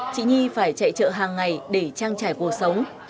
chị nhi phải chạy chợ hàng ngày để trang trải cuộc sống